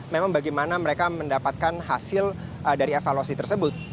memang bagaimana mereka mendapatkan hasil dari evaluasi tersebut